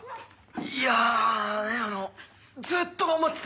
いやあのずっと頑張ってて。